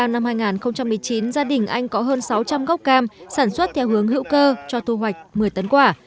năm hai nghìn một mươi chín gia đình anh có hơn sáu trăm linh gốc cam sản xuất theo hướng hữu cơ cho thu hoạch một mươi tấn quả